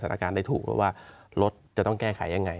สารการได้ถูกว่ารถจะทำแก้ไขยังไง